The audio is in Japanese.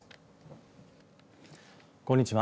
こんにちは。